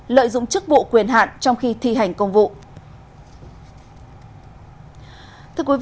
lợi dụng chức vụ quyền hạn trong khi thi hành công vụ